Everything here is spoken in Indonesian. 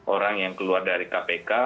orang yang keluar dari kpk